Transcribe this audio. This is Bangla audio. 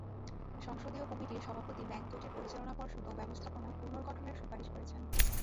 সংসদীয় কমিটির সভাপতি ব্যাংক দুটির পরিচালনা পর্ষদ ও ব্যবস্থাপনা পুনর্গঠনের সুপারিশ করেছেন।